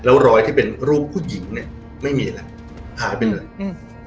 แล้วรอยที่เป็นรูปผู้หญิงเนี้ยไม่มีแล้วหายไปเลยอืม